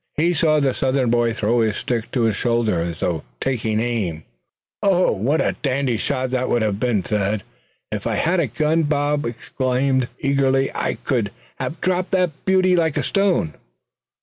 He saw the Southern boy throw his stick to his shoulder, as though taking aim. "Oh! what a dandy shot that would have been, Thad, if I had had a gun!" Bob exclaimed, eagerly. "I could have dropped that beauty like a stone."